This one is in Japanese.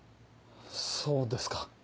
そうですか。